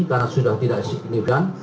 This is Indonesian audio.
karena sudah tidak signifikan